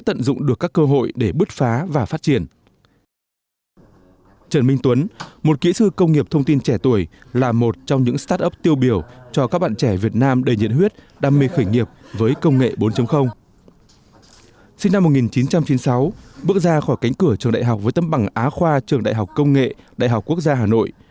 từ năm một nghìn chín trăm chín mươi sáu bước ra khỏi cánh cửa trường đại học với tấm bằng á khoa trường đại học công nghệ đại học quốc gia hà nội